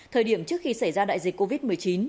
thời điểm trước khi xảy ra đại dịch covid một mươi chín